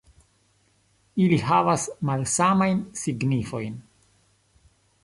Ili havas malsamajn signifojn.